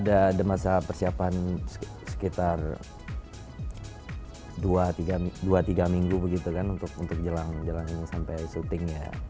ada masa persiapan sekitar dua tiga minggu untuk jalan jalan ini sampai syuting